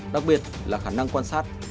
đặc biệt là khả năng quan sát